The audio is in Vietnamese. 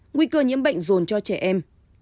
nguy cơ nhiễm bệnh dồn cho trẻ em